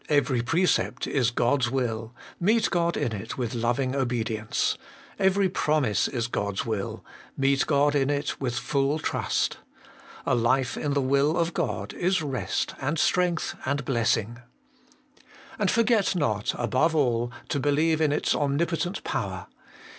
Every precept is God's will ; meet God in it with loving obedience. Every promise is God's will ; meet God in it with full trust. A life in the will of God Is rest and strength and blessing. 3. And forget not, above all, to believe in its Omnipotent Power.